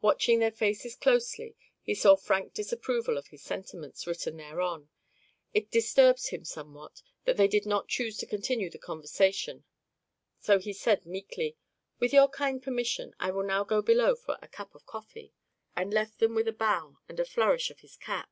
Watching their faces closely, he saw frank disapproval of his sentiments written thereon. It disturbed him somewhat that they did not choose to continue the conversation, so he said meekly: "With your kind permission, I will now go below for a cup of coffee," and left them with a bow and a flourish of his cap.